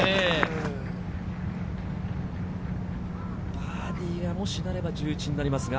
バーディーになれば、−１１となります。